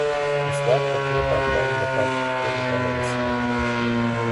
مسواک د خولې پاکوالي لپاره تر ټولو غوره وسیله ده.